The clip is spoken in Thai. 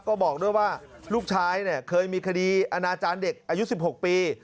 ก็บอกด้วยว่าลูกชายเนี่ยเคยมีคดีอนาจารย์เด็กอายุ๑๖ปี